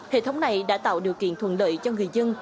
hệ thống này đã tạo điều kiện thuận lợi cho người dân